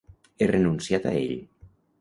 He renunciat a ell.